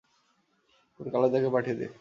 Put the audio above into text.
তোর কালুদাকে পাঠিয়ে দে।